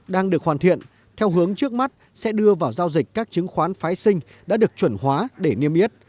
đang được hoàn thiện theo hướng trước mắt sẽ đưa vào giao dịch các chứng khoán phái sinh đã được chuẩn hóa để niêm yết